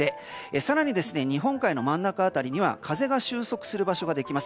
更に日本海の真ん中辺りには風が収束する場所ができます。